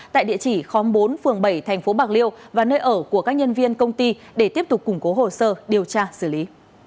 tại địa chỉ khóm bốn phường bảy thành phố bạc liêu và nơi ở của các nhân viên công ty để tiếp tục củng cố hồ sơ điều tra xử lý